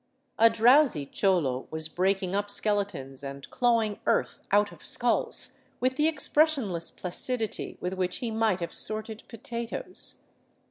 A drowsy cholo was breaking up skeletons and clawing earth out of skulls with the expressionless placidity with which he might have sorted potatoes.